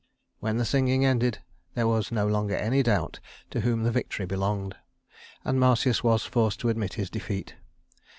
When the singing ended there was no longer any doubt to whom the victory belonged; and Marsyas was forced to admit his defeat.